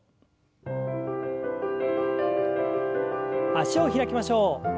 脚を開きましょう。